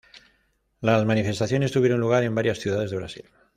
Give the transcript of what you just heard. Las manifestaciones tuvieron lugar en varias ciudades de Brasil.